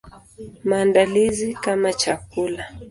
Maandalizi kama chakula.